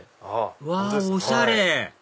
うわおしゃれ！